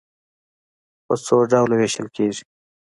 په څو ډلو وېشل کېږي.